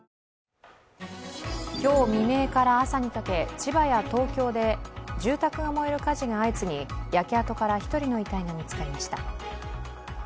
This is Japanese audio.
今日未明から朝にかけ千葉や東京で住宅が燃える火事が相次ぎ焼け跡から１人の遺体が見つかりました。